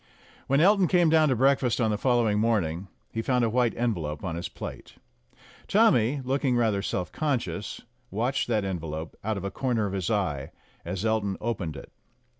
When Elton came down to breakfast on the follow ing morning, he found a white envelope on his plate. Tommy, looking rather self conscious, watched that envelope out of a corner of his eye as Elton opened it.